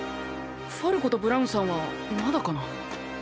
ファルコとブラウンさんはまだかな？